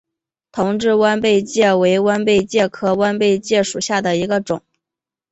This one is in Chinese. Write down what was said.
同志弯贝介为弯贝介科弯贝介属下的一个种。